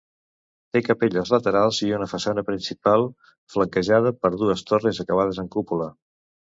Té capelles laterals i una façana principal flanquejada per dues torres acabades en cúpula.